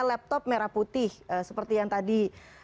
laptop merah putih seperti yang tadi